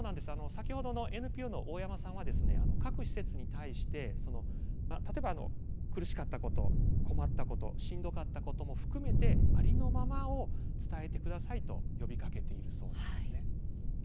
先ほどのＮＰＯの大山さんは各施設に対して例えば苦しかったこと困ったことしんどかったことも含めてありのままを伝えてくださいと呼びかけているそうなんですね。